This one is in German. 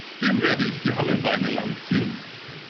Dem werde ich die Hammelbeine lang ziehen!